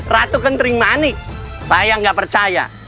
ratu kentering manik saya tidak percaya